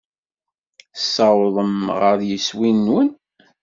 Tessawḍem ɣer yeswi-nwen.